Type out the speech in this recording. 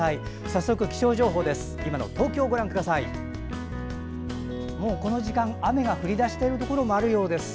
早速、気象情報です。